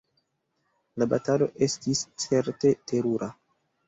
La batalo estis certe terura!